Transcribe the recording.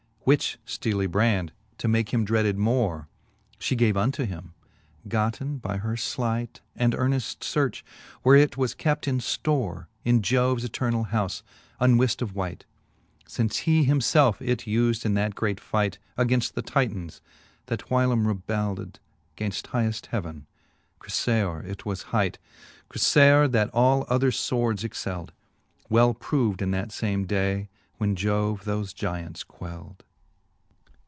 Which fteely brand, to make him dreaded more, She gave unto him, gotten by her flight And earneft fearch, where it was kept in ftore In yove% eternall houfe, unwift of wight, Since he himfelfe it us'd in that great fight Againft the Titans, that whylome rebelled Gainft higheft heaven ; Chryfaor it was hight ; Chryfaor^ that all other fwords excelled, Well prov'd in that fame day, when Jovs thofe gyants quelled.